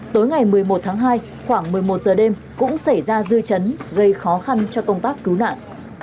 tối ngày một mươi một tháng hai khoảng một mươi một giờ đêm cũng xảy ra dư chấn gây khó khăn cho công tác cứu nạn